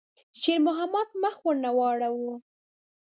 شېرمحمد مخ ور وانه ړاوه.